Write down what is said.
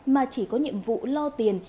mà chỉ có nhiệm vụ lo tiền